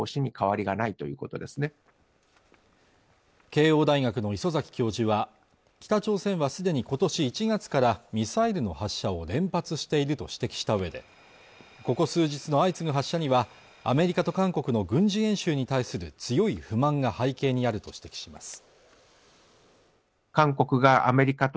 慶應大学の礒崎教授は北朝鮮はすでに今年１月からミサイルの発射を連発していると指摘したうえでここ数日の相次ぐ発射にはアメリカと韓国の軍事演習に対する強い不満が背景にあると指摘します